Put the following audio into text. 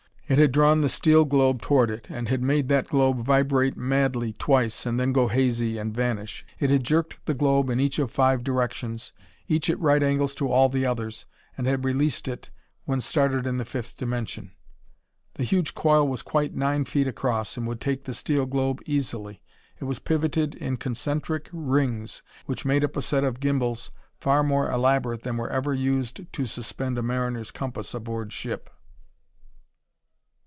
It had drawn the steel globe toward it, had made that globe vibrate madly, twice, and then go hazy and vanish. It had jerked the globe in each of five directions, each at right angles to all the others, and had released it when started in the fifth dimension. The huge coil was quite nine feet across and would take the steel globe easily. It was pivoted in concentric rings which made up a set of gymbals far more elaborate than were ever used to suspend a mariner's compass aboard ship.